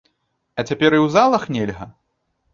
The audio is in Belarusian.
А цяпер і ў залах нельга!?